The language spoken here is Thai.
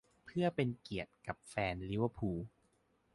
เพื่อเป็นเกียรติกับแฟนลิเวอร์พูล